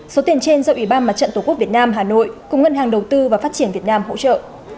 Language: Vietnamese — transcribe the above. số tiền trên do ủy ban mặt trận tổ quốc việt nam hà nội cùng ngân hàng đầu tư và phát triển việt nam hỗ trợ